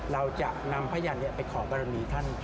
เราจะนำพยานไปขอบารมีท่าน